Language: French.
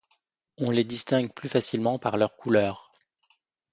On les distingue plus facilement par leur couleur.